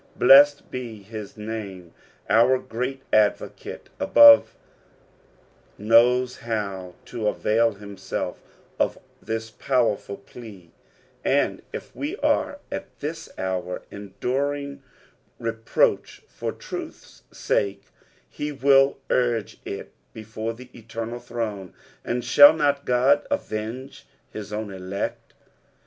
Blessed be his name, our great Advocate above knows how to avail himself of this powerful plea, and if we are at this hour enduring reproach for truth's sake, be will o^fc It before the eternal throne ; and shall not God avenge his own elect